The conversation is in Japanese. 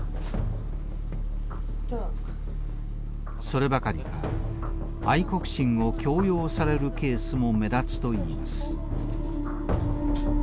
そればかりか愛国心を強要されるケースも目立つと言います。